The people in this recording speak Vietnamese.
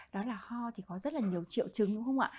đó là ho thì có rất là nhiều triệu chứng đúng không ạ